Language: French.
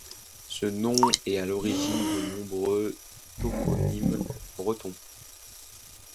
Ce nom est à l'origine de nombreux toponymes bretons.